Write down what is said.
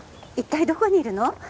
一体どこにいるの？